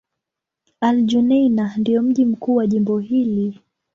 Al-Junaynah ndio mji mkuu wa jimbo hili.